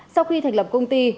sau khi thành lập công ty